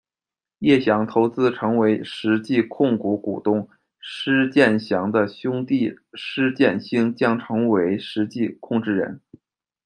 业祥投资成为实际控股股东，施建祥的兄弟施建兴将成为实际控制人。